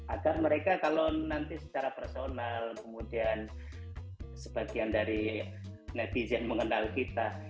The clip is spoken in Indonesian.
agar mereka kalau nanti secara personal kemudian sebagian dari netizen mengenal kita